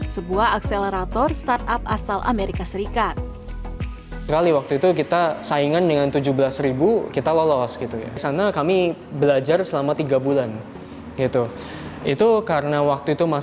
sebuah akselerator startup asal amerika serikat